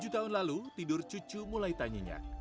tujuh tahun lalu tidur cucu mulai tanyinyak